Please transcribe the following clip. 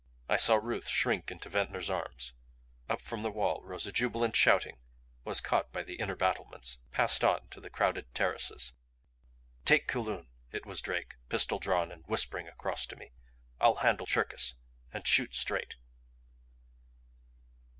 I saw Ruth shrink into Ventnor's arms. Up from the wall rose a jubilant shouting, was caught by the inner battlements, passed on to the crowded terraces. "Take Kulun," it was Drake, pistol drawn and whispering across to me. "I'll handle Cherkis. And shoot straight."